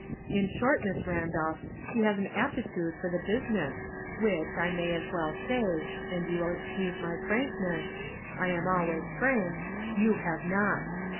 In short, Miss Ran dolph, she has an aptitude for the business which, I may as well say, and you will excuse my frankness — I am always frank — you have not.